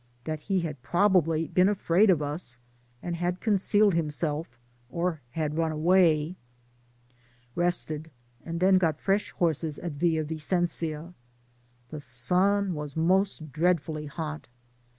— that be had jNrobably been afraid of us, and bad ccHicealed himself, or had run away. Bested, and th^ got fre^ horses at Villa Vicen* da. The sun was most dreadfully hot.